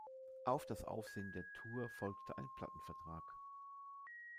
Auf das Aufsehen der Tour folgte ein Plattenvertrag.